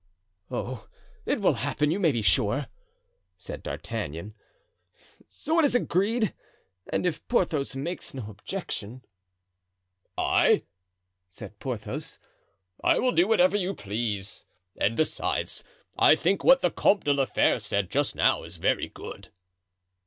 "Oh, it will happen, you may be sure," said D'Artagnan. "So it is agreed, and if Porthos makes no objection——" "I," said Porthos, "I will do whatever you please; and besides, I think what the Comte de la Fere said just now is very good."